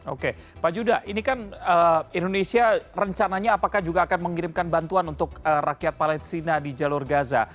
oke pak judah ini kan indonesia rencananya apakah juga akan mengirimkan bantuan untuk rakyat palestina di jalur gaza